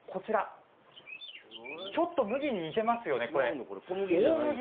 ちょっと麦に似ていますよね。